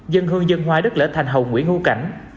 dân hương dân hoa đất lễ thành hồng quỹ ngu cảnh